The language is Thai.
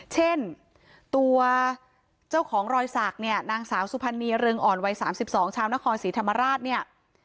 เช่นตัวเจ้าของรอยศักดิ์เนี้ยนางสาวสุพรรณียรึงอ่อนวัยสามสิบสองชาวนครศรีธรรมราชเนี้ย